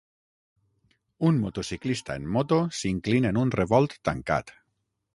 Un motociclista en moto s'inclina en un revolt tancat.